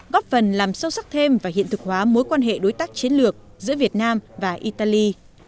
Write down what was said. góp phần làm sâu sắc thêm và hiện thực hóa mối quan hệ đối tác chiến lược giữa việt nam và italy